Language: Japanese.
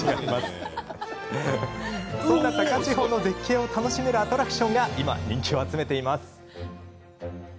そんな高千穂の絶景を楽しめるアトラクションが今、人気を集めています。